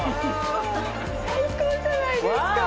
最高じゃないですか。